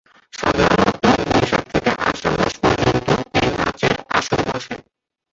সাধারণতঃ বৈশাখ থেকে আষাঢ় মাস পর্যন্ত এই নাচের আসর বসে।